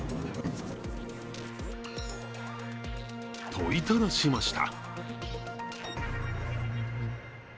問いただしました。